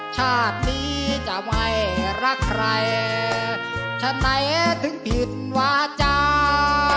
ชาตินี้จะไม่รักใครฉะไหนถึงผิดวาจา